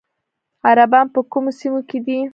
عربان په کومو سیمو کې دي؟